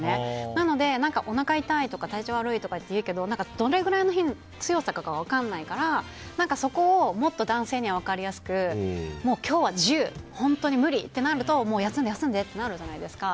なので、おなか痛いとか体調悪いとかいうけど何かどれぐらいの強さかが分からないからそこをもっと男性には分かりやすく今日は１０、本当に無理となるともう休んでってなるじゃないですか。